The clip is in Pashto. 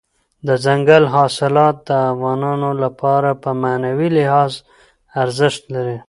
دځنګل حاصلات د افغانانو لپاره په معنوي لحاظ ارزښت لري.